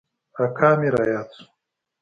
اکا مې راياد سو.